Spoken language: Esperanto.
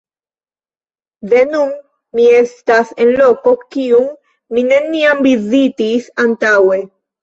De nun, mi estas en loko, kiun mi neniam vizitis antaŭe.